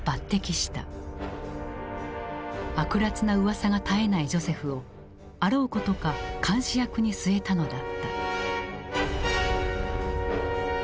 悪辣なうわさが絶えないジョセフをあろうことか監視役に据えたのだった。